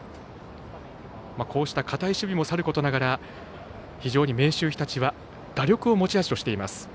こうした堅い守備もさることながら非常に明秀日立は打力を持ち味としています。